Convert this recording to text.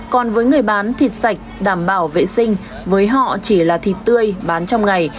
còn với người bán thịt sạch đảm bảo vệ sinh với họ chỉ là thịt tươi bán trong ngày